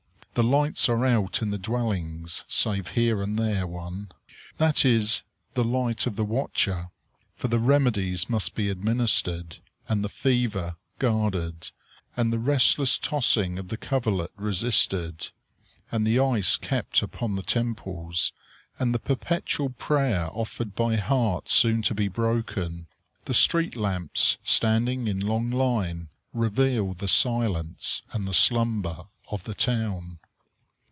The lights are out in the dwellings, save here and there one. That is the light of the watcher, for the remedies must be administered, and the fever guarded, and the restless tossing of the coverlet resisted, and the ice kept upon the temples, and the perpetual prayer offered by hearts soon to be broken. The street lamps, standing in long line, reveal the silence and the slumber of the town.